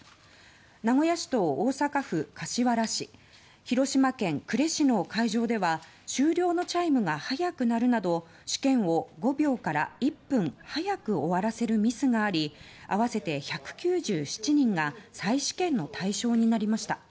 名古屋市と大阪府柏原市広島県呉市の会場では終了のチャイムが早く鳴るなど試験を５秒から１分早く終わらせるミスがあり合わせて１９７人が再試験の対象になりました。